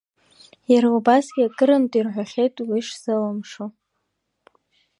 Иара убасгьы акырынтә ирҳәахьеит уи шзалымшо.